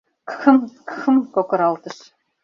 Кхм-кхм кокыралтыш.